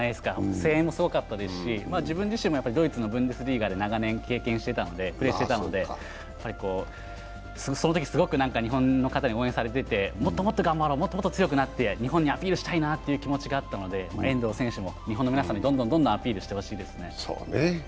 声援もすごかったですし、自分自身もドイツのブンデスリーガで長年プレーしていたので、そのときすごく日本の方に応援されててもっともっと頑張ろう、もっともっと強くなって日本にアピールしたいなという気持ちがあったので遠藤選手も日本の皆さんにどんどんアピールしてほしいですね。